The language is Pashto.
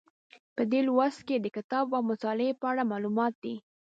په دې لوست کې د کتاب او مطالعې په اړه معلومات دي.